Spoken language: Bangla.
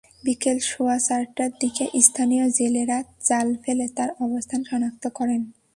বিকেল সোয়া চারটার দিকে স্থানীয় জেলেরা জাল ফেলে তার অবস্থান শনাক্ত করেন।